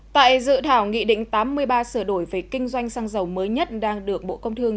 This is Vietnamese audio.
tại dự thảo nghị định tám mươi ba sửa đổi về kinh doanh xăng dầu mới nhất đang được bộ công thương